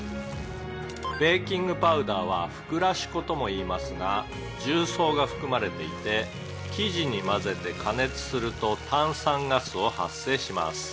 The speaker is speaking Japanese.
「ベーキングパウダーはふくらし粉ともいいますが重曹が含まれていて生地に混ぜて加熱すると炭酸ガスを発生します」